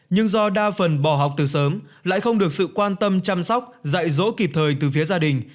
nhưng do đa phần bỏ học từ sớm lại không được sự quan tâm chăm sóc dạy dỗ kịp thời từ phía gia đình